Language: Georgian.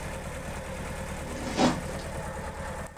როდესაც ფასი იზრდება, მოთხოვნა იზრდება და პირიქით.